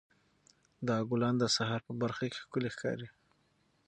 دا ګلان د سهار په پرخه کې ښکلي ښکاري.